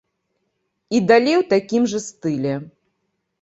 І далей у такім жа стылі.